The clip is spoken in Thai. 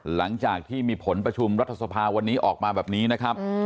หลังจากที่มีผลประชุมรัฐสภาวันนี้ออกมาแบบนี้นะครับ